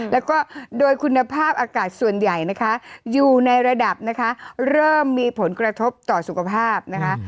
แล้วก็โดยคุณภาพอากาศส่วนใหญ่นะคะอยู่ในระดับนะคะเริ่มมีผลกระทบต่อสุขภาพนะคะ